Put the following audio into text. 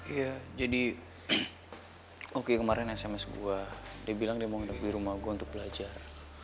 iya jadi oki kemarin sms gue dia bilang dia mau ke rumah gue untuk belajar